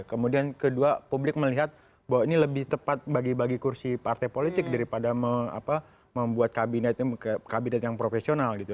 kemudian kedua publik melihat bahwa ini lebih tepat bagi bagi kursi partai politik daripada membuat kabinet yang profesional gitu